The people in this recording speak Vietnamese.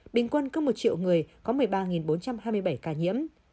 bình quân cứ một triệu người có một mươi ba bốn trăm hai mươi bảy ca nhiễm